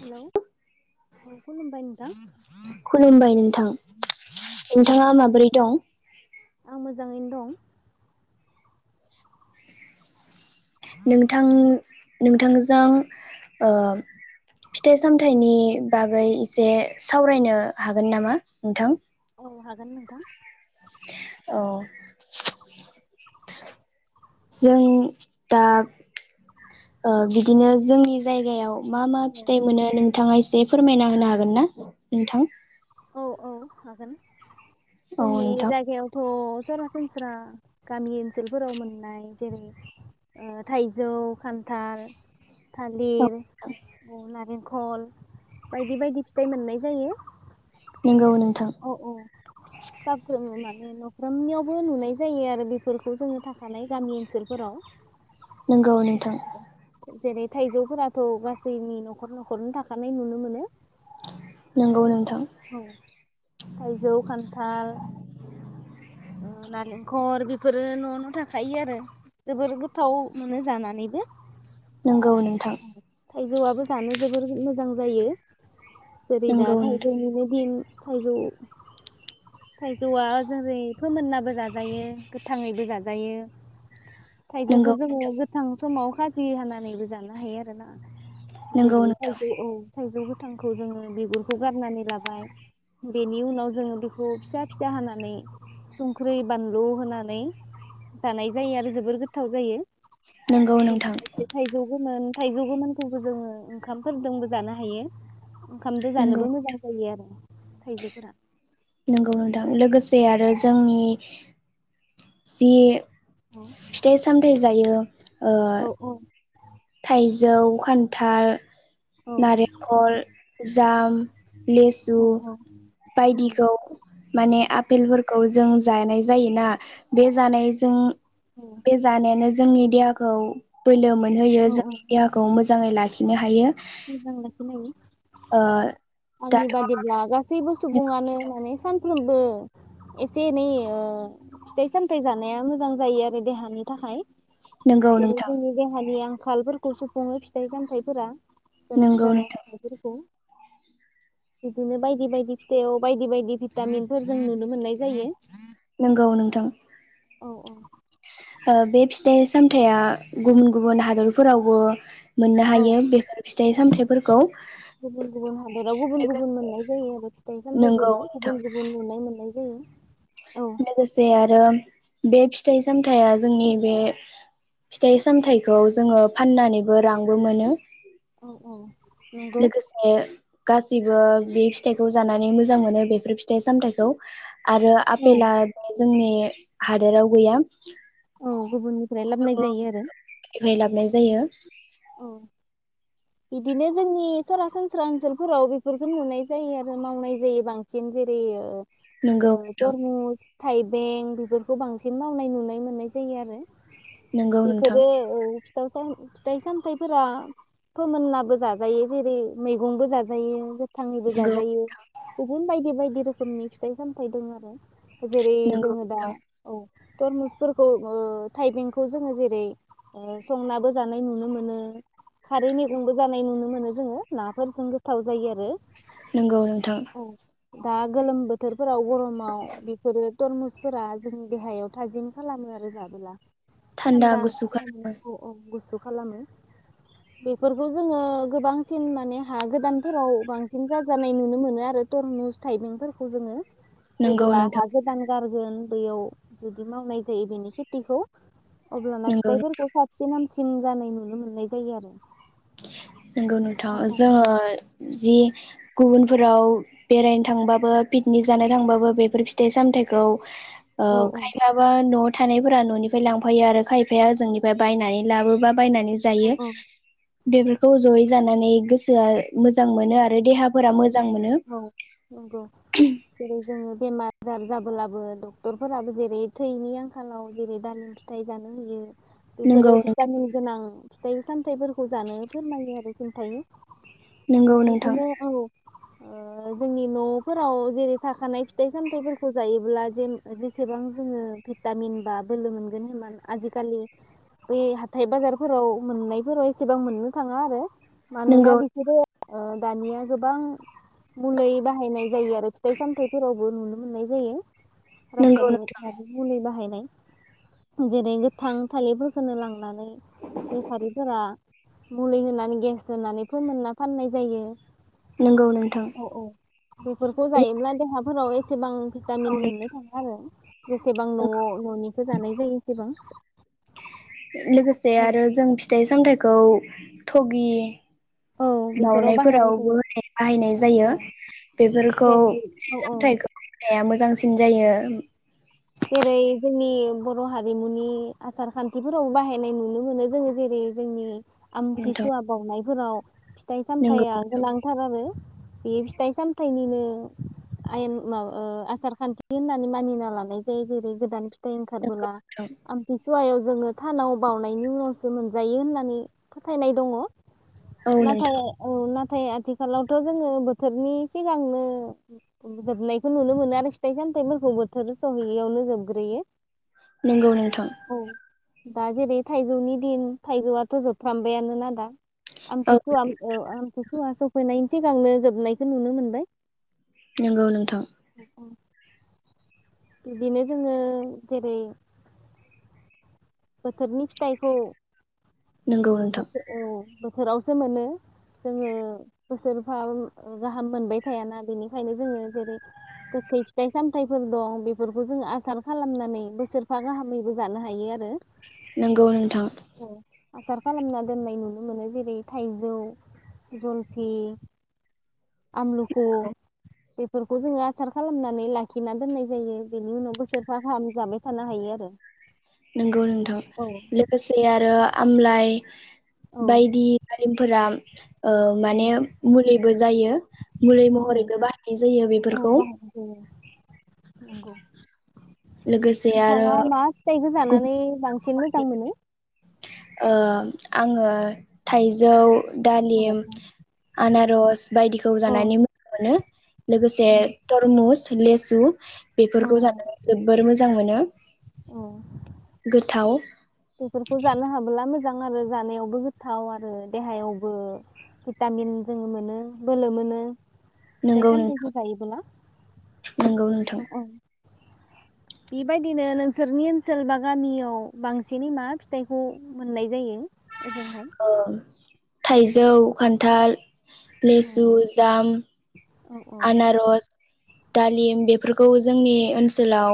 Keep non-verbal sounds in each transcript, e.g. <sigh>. Hello औ खुलुमबाय नोंथां खुलुमबाय नोंथां औ नोंथाङा माबोरै दं आं मो जाङैनो दं। नोंथां नोंथांजों ओ फिथाइ सामथाइनि बागै एसे सावरायनो हागोन नामा नोंथां? औ हागोन नोंथां। औ जों दा ओ बिदिनो जोंनि जायगायाव मा मा औ फिथाइ मोनो नोंथाङा एसे फोरमायना होनो हागोन ना नोंथां? औ औ हागोन। औ जोंनि नोंथां जायगायावथ' सरासनस्रा गामि ओनसोलफोराव मोननाय जेरै ओ थाइजौ, खान्थाल, था लिर औ उम नारें कल बायदि बायदि फिथाइ मोननाय जायो। नोंगौ नों औ औ <unintelligible> माने न फ्रोमनियावबो नुनाय जायो आरो बेफोरखौ जोङो थाखानाय गामि ओनसोलफोराव। नों गौ नोंथां। जेरै थाइजौफोराथ' गासैनि न'खर न'खरनो थाखानाय नुनो मोनो। नंगौ नोंथां औ थाइजौ, खान्थाल उम नालेंखर बेफोरो न' न' थाखायो आरो जोबोर गोथाव मोनो जानानैबो। नंगौ नोंथां। थाइजौआबो जानो जोबोर मोजां जायो। जेरै दा नंगौ नोंथां थाइजौ निनो दिन थाइजौ थाइजौआ जेरै फोमोननाबो जाजायो गोथाङैबो जाजायो। थाइजौखौ नंगौ जोङो नोंथां गोथां समाव खाजि हानानैबो जानो हायो आरोना। नंगौ जेरै नोंथां थाइजौ औ थाइजौ गोथांखौ जोङो बिगुरखौ गारनानै लाबाय बेनि उनाव जोङो बेखौ फिसा फिसा हानानै। संख्रि बानलु होनानै जानाय जायो आरो जोबोर गोथाव जायो। नंगौ नोंथां थाइजौ गोमोन थाइजौ गोमोनखौबो जोङो ओंखामफोरदोंबो जानो हायो। ओंखामदो नंगौ जानोबो मोजां जायो आरो। थाइजौ फोरा नंगौ नोंथां लोगोसे आरो जोंनि जे औ फिथाइ सामथाइ जायो ओ- औ औ थाइजौ खान्थाल औ नारेखल जाम लेसु औ बायदिखौ माने आफेलफोरखौ जों जानाय जायोना। बे जानायजों औ बे जानायानो जोंनि देहाखौ बोलो मोनहोयो औ औ जोंनि देहाखौ मोजाङै लाखि नो हायो मोजां लाखिनो ओ हायो। आंनि दाथ' बादिब्ला गासैबो सुबुङानो माने सानफ्रोमबो एसे एनै ओ- फिथाइ-सामथाइ जानाया मोजां जायो आरो देहानि थाखाय। नंगौ ओरै नोंथां बुंनोबो हालिया। आंखालफोरखो सुफुङो फिथाइ-सामथाइफोरा। गोनां नंगौ जानाय नोंथां हारफोरखौ। बिदिनो बायदि-बायदि फिथाइआव बायदि-बायदि भिटामिनफोर जों नुनो मोननाय जायो। नंगौ नोंथां ओ- बे फिथाइ-सामथाइआ गुबुन-गुबुन हादरफोरावबो। मोननो हायो बेफोर फिथा फिथाइ-सामथाइफोरखौ। गुबुन-गुबुन हादोराव गुबुन-गुबुन मोननाय जायो आरो नंगौ फिथाइ-सामथाइखौबो नोंथां गुबुन-गुबुन नुनाय मोननाय जायो। उम लोगोसे आरो बे फिथाइ-सामथाइया जोंनि बे फिथाइ-सामथाइखौ जोङो फाननानैबो रांबो मोनो। औ औ नंगौ लोगोसे गासैबो बे फिथाइखौ जानानै मोजां मोनो बेफोर फिथाइ-सामथाइखौ। आरो औ आपेला भि जोंनि हादोराव गैया। औ गुबुननिफ्राय लाबोनाय गुबुननिफ्राय जायो आरो लाबोनाय जायो औ बिदिनो जोंनि सरासनस्रा ओनसोलफोराव बेफोरखौ नुनाय जायो आरो मावनाय जायो बांसिन जेरै नंगौ ओ नोंथां तरमुस थाइबें बेफोरखौ बांसिन मावनाय नुनाय मोननाय जायो आरो नंगौ नोंथां बेफोरो ओ फिथाइ उम फिथाइ-सामथाइफोरा फोमोनाबो जाजायो जेरै मैगंबो जाजायो गोथाङैबो नंगौ जाजायो गुबुन बायदि बायदि रोखो रोखोमनि फिथाइ-सामथाइ दं आरो जेरै नंगौ जोङो दा नोंथां औ तरमुसफोरखौ ओ थाइबेंखौ जोङो जेरै ओ संनाबो जानाय नुनो मोनो खारै मैगंबो जानाय नुनो मोनो जोङो नाफोरजों गोथाव जायो आरो नंगौ नोंथां औ दा गोलोम बोथोरफोराव गरमाव बेफोरो तरमुसफोरा जोंनि देहायाव थाजिम खालामो आरो जाबोला थान्दा खालामो औ औ गुसु खालामो बेफोरखौ जोङो गोबांसिन माने हा गोदानफोराव बांसिन जाजानाय नुनो मोनो आरो तरमुस थाइबेंफोरखौ जोङो। नंगौ जेबोला नोंथां हा गोदान गार गोन बैयाव जुदि मावनाय जायो बेनि खेथिखौ अब्लाना नंगौ फिथाइफोरखौ साबसिन हाम सिम जानाय नुनो मोननाय जायो आरो। नंगौ नोंथां औ औ जोङो जि गुबुनफोराव बेरायनो थांबाबो पिकनिक जानो थांबाबो बेफोर फिथाइ-सामथाइखौ अ औ खायबाबा न' थानायफोरा न'निफाय लांफायो आरो खायफाया ओजोंनिफाय बायनानै लाबोबा बायनानै औ जायो। औ बेफोरखौ जयै जानानै गोसोआ मोजां मोनो आ रो देहाफोरा औ मोजां मोनो। औ नंगौ जेरै जोङो बेमार आजार जाबोलाबो डक्टरफोराबो जेरै थैनि आंखालाव जेरै दालिम फिथाइ जानो होयो नंगौ बेफोरो जामिगोनां फि थाय-सामथाइफोरखौ जानो फोरमायो आरो खिन्थायो। नंगौ नोंथां। बिदिनो औ ओ जोंनि न'फोराव जेरै थाखानाय फिथाइ-सामथायाइफोरखौ जायोब्ला जे जेसेबां जोङो भिटामिन बा बोलो मोनगोन हान आजिखालि बै हाथाय बाजारफोराव मोननायफोराव एसेबां मोननो थाङा आरो। मानोना नंगौ बिसोरो ओ दानिया गोबां मुलै बाहायनाय जायो आरो फिथाइ सामथाइफोरावबो नुनो मोननाय जायो। नंगौ नोंथां रासायनारि <unintelligible> मुलै बाहायनाय। जेरै गोथां थालिरफोरखोनो लांनानै बेफारिफोरा मुलि होनानै गेस होनानै फोमोनना फाननाय जायो। नंगौ नोंथां औ औ बेफोरखौ जायोब्ला देहाफोराव ए सेबां भिटामिन मोननो थाङा आरो जेसेबां न'आव न'निखो जानाय जायो एसेबां। लोगोसे औ आरो जों फिथाइ सामथाइखौ थगि औ बेफोराव बाहायनाय बावनायफोरावबो जायो बाहायनाय औ जायो। औ बेफोरखौ जेरै औ औ सामथाइखौ होनाया मोजांसिन जायो। जेरै जोंनि बर' हारिमुनि आसारखान्थिफोराव बाहायनाय नुनो मोनो। जोङो जेरै जोंनि नोंथां आमथिसुवा बावनाय फोराव फि थाइ नंगौ सामथाइया गोनांथार आरो बे फिथाइ सामथाइनिनो आयेन माबा ओ आसारखान्थि होननानै मानिना लानाय जायो जेरै गोदान फिथाइ नंगौ ओंखारबोला नोंथां आमथिसुवायाव जोङो थानाव बावनायनि उनावसो मोनजायो होननानै फोथायनाय दङ'। औ नाथाय नोंथां औ ना थाय आथिखालावथ' जोङो बोथोरनि सिगांनो सफैयावनो जोबग्रोयो। नोंगौ नोंथां। दा जेरै थाइजौनि दिन थाइजौआथ' जोबफ्रामबायानोना दा। औ आमथिसुवा ओ आमथिसुवा सफैनाय सिगांनो जोबनायखौ नुनो मोनबाय। नंगौ नोंथां। बिदिनो जोङो जेरै बोथोरनि फिथाइखौ ओ नंगौ नोंथां <unintelligible> औ बोथोरावसो मोनो। जोङो बोसोरफा गाहाम मोनबाय थायाना। बेनिखायनो जोङो जेरै गोखै फिथाइ सामथाइफोर दं। बेफोरखौ जोङो आसार खालामनानै बोसोरफा गाहामैबो जानो हायो आरो नंगौ नोंथां। आसार खालामना दोननाय नुनो मोनो। जेरै थाइजौ, जलफि आमलुखु बेफोरखौ जोङो आसार खालामनानै लाखिना दोननाय जायो। बेनि उनाव बोसोर फागाहाम जाबाय थानो हायो आरो नंगौ नोंथां। औ लोगोसे आरो आमलाइ औ बायदि दालिमफोराम <unintelligible> ओ माने मुलिबो जायो मुलि महरैबो बाहनाय जायो औ बेफोरखौ बाहायनाय जायो नंगौ लोगोसे आरो नोंथाङा मा फिथाइ खो गुबुन जानानै बांसिन मोजां मोनो ओ आङो थाइजौ औ दालिम आनारस बायदिखौ जानानै मोजां मोनो लोगोसे तरमुस लेसु औ बेफोरखौ जानानै जोबोर मोजां मोनो औ गोथाव बेफोरखौ जानो हाबोला मोजां आरो जानायावबो गोथाव आरो देहायावबो भिटामिन जोङो मोनो बोलो मोनो फिथाइ नोंगौ सामथाइखौ नोंथां जायोबोला नोंगौ नों औ थां औ बेबायदिनो नोंसोरनि ओनसोल बा गामियाव बांसिनै मा फिथाइखौ मोननाय जायो ओजोंहाय ओ थाइजौ खान्थाल औ लेसु जाम औ औ आनारस दालिम बेफोरखौ जोंनि ओनसोलाव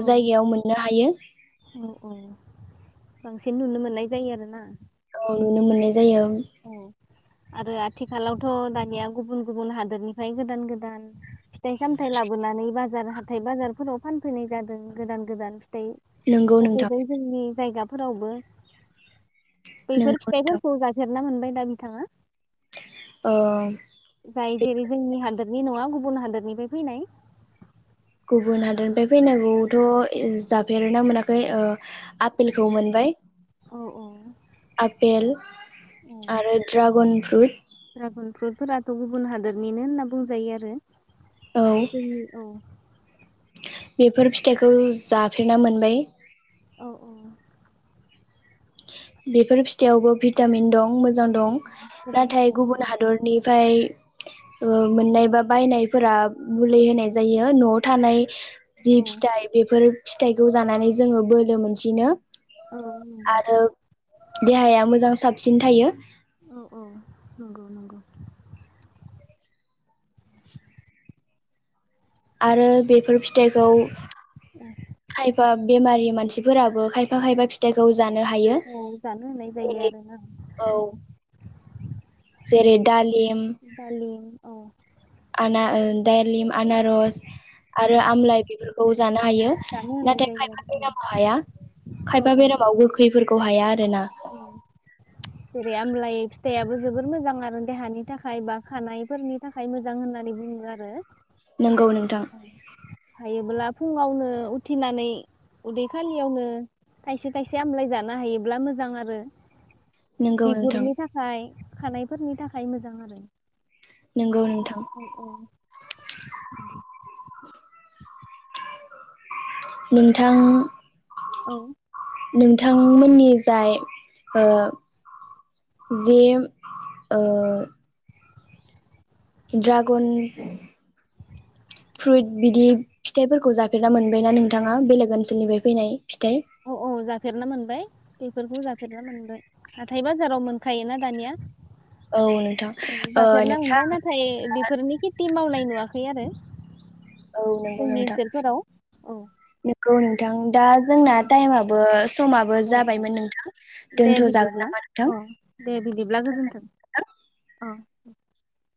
औ जायगायाव मोननो हायो औ औ बांसिन नुनो मोननाय जायो आरोना <inaudible> जायो आरो औ आरो आथिखालावथ' दानिया गुबुन गुबुन हादोरनिफ्राय गोदान गोदान फिथाइ सामथाय लाबोनानै बा- जार हाथाइ बाजारफोराव फानफैनाय जादों गोदान गोदान नंगौ नोंथां सफैबाय जोंनि जायगा फोरावबो बैफोर नंगौ नोंथां फिथाइफोरखौ जा- ना मोनबाय दा बिथांङा ओ जाय जेरै जोंनि हादोरनि नङा गुबु- न हादरनिफ्राय फैनाय गुबुन हादर औ फैनांखोथ ए जा- बेेरना मोनाखै ओ आपेलखौ मोनबाय औ औ आपेल आरो ड्रागन फ्रुट ड्रागन फ्रुटफोराथ गुबुन हादोरनिनो होनना बुंजायो आरो औ जोंनि औ। बेफोर फिथाइखौ जाफेरना मोनबाय औ औ। बेफोर फिथाइयावबो भिटामिन दं मोजां दं गोबां नाथाय गुबुन मोनदों। हादरनिफ्राय ओ मोननाय बा बायनायफोरा मुलि होनाय जायो नआव थानाय जि औ फिथाइ बेफोर फिथाइखौ जानानै जोङो बोलो मोनसिनो औ नंगौ। आरो देहाया मोजां साबसिन थायो औ औ नंगौ नंगौ। आरो बेफोर फिथाइखौ ओ। खायफा बेमारि मानसिफोराबो खायफा खायफा फिथाइखौ जान औ जानो होनाय जायो आरो ना औ। जेरै दालिम दालि औ आना ओ दालिम। आनारस औ आरो आमलाइ बेफोरखौ जानो हायो जानो होनाय नाथाय जायो खायफा आरो बेरामाव हाया औ खायफा औ बेरामाव गोखैफोर ग हाया जेना जे आमलाय फिथाइआबो जोबोर मोजां आरो देहानि थाखाय बा खानायफोरनि थाखाय मोजां होननानै बुङो आरो नंगौ नोंथां। हायोब्ला फुङावनो उथिनानै उदै खालियावनो थाइसे थाइसे आमलाय जानो हायोब्ला मोज जां आरो नंगौ नोंथां बिगुरनि थाखाय खानायफोरनि थाखाय मोजां आरो नंगौ नोंथां औ औ नंगौ। नोंथां औ नोंथांमोननि जाय ओ जे ओ। ड्रागन फ्रुइट बिदि फिथाइफोरखौ जाफेरना मोनबायना नोंथाङा बेलेग ओनसोलनिफ्राय फैनाय फिथाइ औ औ जाफेरनो मोनबाय। बेफोरखौ जाफेरनो मोनबाय हाथाय बाजाराव मोनखायोना दानिया औ ओ जाफेरना नोंथां मोनबाय नाथाय बेफोरनि खेटि मावनाय नुवाखै आरो औ नंगौ जोंनि ओनसोलफोराव औ गौ नोंथां दा जोंना टाइमाबो समाबो औ औ जाबायमोन नोंथां दे दोनथ'जागोन बिदिब्ला नामा नोंथां अ दे बिदिब्ला गोजोन्थों नोंथां <unintelligible>